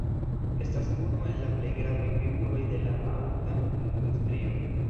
Estas unu el la plej gravaj figuroj de la aŭta industrio.